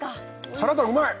サラダうまい！